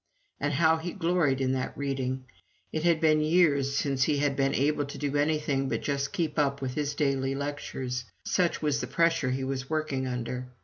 And how he gloried in that reading! It had been years since he had been able to do anything but just keep up with his daily lectures, such was the pressure he was working under.